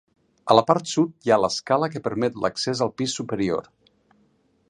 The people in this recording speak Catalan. A la part sud hi ha l’escala que permet l’accés al pis superior.